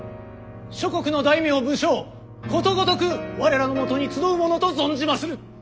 諸国の大名武将ことごとく我らのもとに集うものと存じまする！